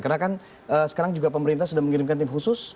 karena kan sekarang juga pemerintah sudah mengirimkan tim khusus